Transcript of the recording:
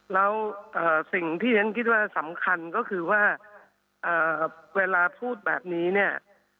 แล้วสิ่งที่ฉันคิดว่าสำคัญก็คือว่าเวลาพูดแบบนี้เนี่ย